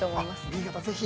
◆新潟、ぜひ。